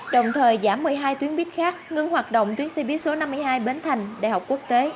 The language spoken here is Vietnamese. đồng thời giảm một mươi hai tuyến buýt khác ngưng hoạt động tuyến xe buýt số năm mươi hai bến thành đại học quốc tế